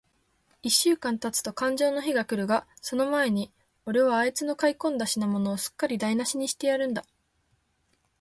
一週間たつとかんじょうの日が来るが、その前に、おれはあいつの買い込んだ品物を、すっかりだいなしにしてやるんだ。